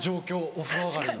お風呂上がりの。